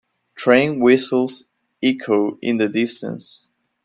Train whistles echo in the distance.